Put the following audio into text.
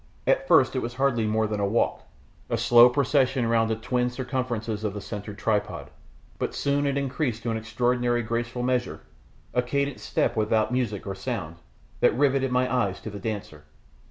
At first it was hardly more than a walk, a slow procession round the twin circumferences of the centred tripod. But soon it increased to an extraordinary graceful measure, a cadenced step without music or sound that riveted my eyes to the dancer.